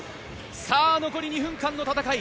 さあ、残り２分間の戦い。